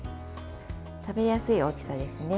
食べやすい大きさですね。